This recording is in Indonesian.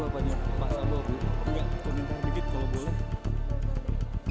enggak komentar dikit kalau boleh